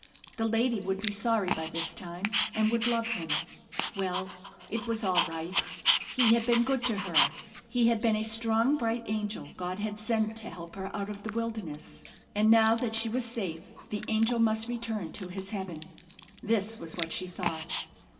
The lady would be sorry by this time, and would love him. Well, it was all right. He had been good to her. He had been a strong, bright angel God had sent to help her out of the wilderness; and now that she was safe the angel must return to his heaven. This was what she thought.